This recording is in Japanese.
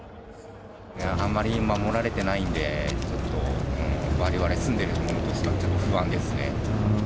あんまり守られてないんで、ちょっとわれわれ住んでる者としては、ちょっと不安ですね。